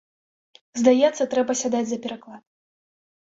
Здаецца, трэба сядаць за пераклад.